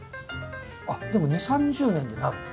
あっでも２０３０年でなるの？